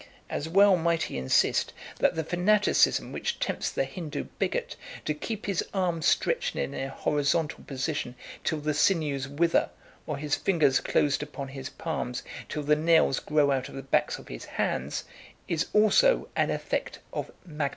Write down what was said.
As well might he insist that the fanaticism which tempts the Hindoo bigot to keep his arms stretched in a horizontal position till the sinews wither, or his fingers closed upon his palms till the nails grow out of the backs of his hands, is also an effect of magnetism!